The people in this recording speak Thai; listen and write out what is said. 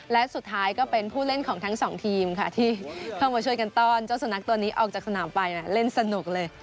และสุดท้ายก็เป็นผู้เล่นของทั้งสองทีมค่ะที่เพิ่งมาช่วยกันต้อนเจ้าสุนัขตัวนี้ออกจากสนามไปเล่นสนุกเลย